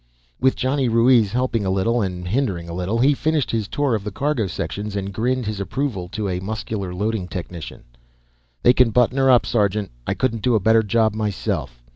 With Johnny Ruiz helping a little and hindering a little, he finished his tour of the cargo sections and grinned his approval to a muscular loading technician. "They can button her up, sergeant. I couldn't do a better job myself."